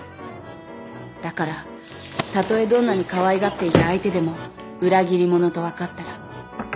だからたとえどんなにかわいがっていた相手でも裏切り者と分かったら絶対に許さない。